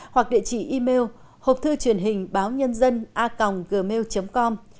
hoặc địa chỉ email hộpthư truyền hình báo nhân dân a gmail com